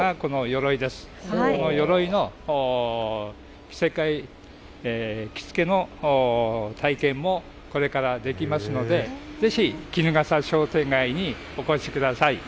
よろいの着付けの体験もこれからできますのでぜひ衣笠商店街にお越しください。